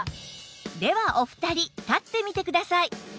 ではお二人立ってみてください